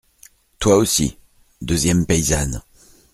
Toi aussi. deuxième paysanne.